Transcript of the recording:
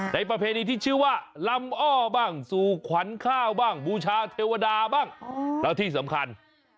ประเพณีที่ชื่อว่าลำอ้อบ้างสู่ขวัญข้าวบ้างบูชาเทวดาบ้างแล้วที่สำคัญ